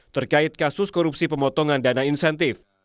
terkait kasus korupsi pemotongan dana insentif